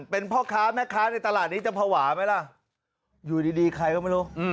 เป็นพ่อค้าแม่ค้าในตลาดนี้จะภาวะไหมล่ะอยู่ดีใครก็ไม่รู้